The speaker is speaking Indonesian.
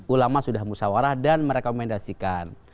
ulama sudah musawarah dan merekomendasikan